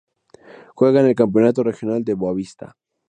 Juega en el campeonato regional de Boavista.